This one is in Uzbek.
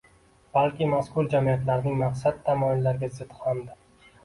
balki mazkur jamiyatlarning maqsad-tamoyillariga zid hamdir.